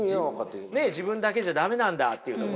自分だけじゃ駄目なんだっていうところね。